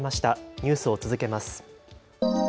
ニュースを続けます。